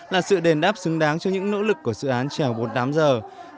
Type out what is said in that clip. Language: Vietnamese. là sự đền đáp xứng đáng cho những nỗ lực của dự án trèo bốn mươi tám h